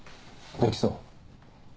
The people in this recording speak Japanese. できそう？